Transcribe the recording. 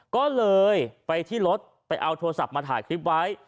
ก็เลยไปที่รถไปเอาโทรศัพท์มาถ่ายคลิปไว้